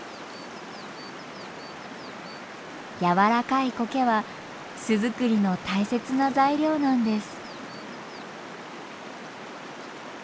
やわらかいコケは巣づくりの大切な材料なんです。